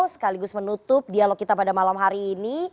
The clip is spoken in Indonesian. sekaligus menutup dialog kita pada malam hari ini